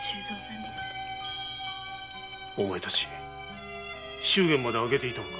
お前たち祝言まで挙げていたのか？